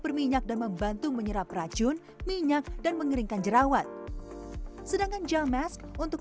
berminyak dan membantu menyerap racun minyak dan mengeringkan jerawat sedangkan gelmes untuk